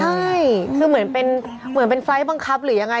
ใช่คือเหมือนเป็นเหมือนเป็นไฟล์ทบังคับหรือยังไง